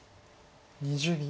２０秒。